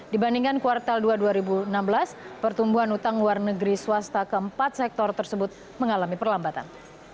dibandingkan kuartal dua dua ribu enam belas pertumbuhan utang luar negeri swasta keempat sektor tersebut mengalami perlambatan